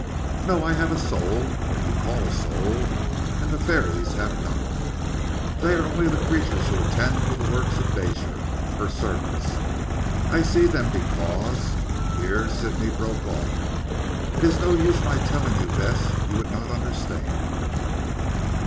"No. I have a soul what you call a soul and the fairies have none. They are only the creatures who attend to the works of Nature; her servants. I can see them because " here Sidney broke off, "it is no use my telling you Bess, you would not understand."